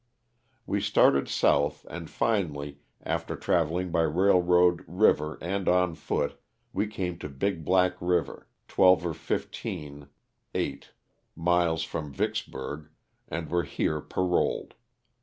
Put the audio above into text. '* We started south and finally, after traveling by rail road, river and on foot, we came to Big Black river, twelve or fifteen (^eight) miles from Vicksburg and were here paroled.